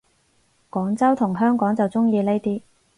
廣州同香港就鍾意呢啲